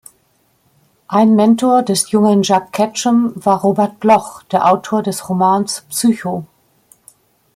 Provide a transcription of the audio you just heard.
Ein Mentor des jungen Jack Ketchum war Robert Bloch, der Autor des Romans "Psycho".